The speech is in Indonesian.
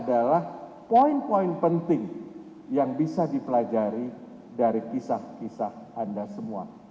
adalah poin poin penting yang bisa dipelajari dari kisah kisah anda semua